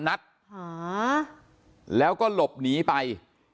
นัดหาแล้วก็หลบหนีไป